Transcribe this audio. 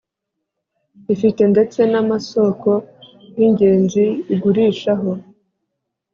Ifite ndetse n amasoko y ingenzi igurishaho